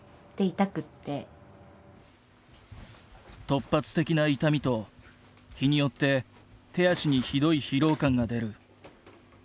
突発的な痛みと日によって手足にひどい疲労感が出る。